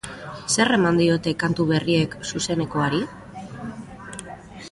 Zer eman diote kantu berriek zuzenekoari?